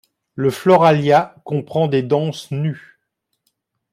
Le Floralia comprend des danses nues.